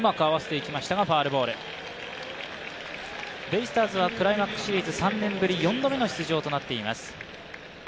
ベイスターズはクライマックスシリーズ３年ぶり、４度目の出場となっています。